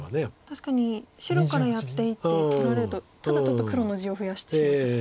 確かに白からやっていって取られるとただちょっと黒の地を増やしてしまったと。